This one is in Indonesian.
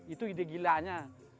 itu ide gilanya